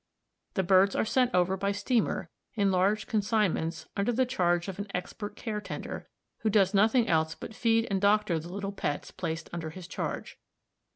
The birds are sent over by steamer in large consignments under the charge of an expert care tender, who does nothing else but feed and doctor the little pets placed under his charge.